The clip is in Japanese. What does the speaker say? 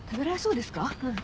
うん。